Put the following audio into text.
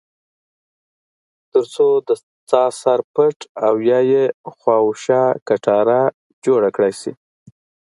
ترڅو د څاه سر پټ او یا یې خواوشا کټاره جوړه کړای شي.